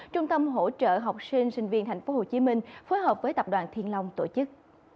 trung tâm hỗ trợ học sinh sinh viên tp hcm phối hợp với tập đoàn thiên long tổ chức